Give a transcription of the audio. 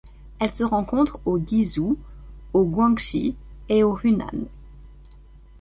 Elle se rencontre au Guizhou, au Guangxi et au Hunan.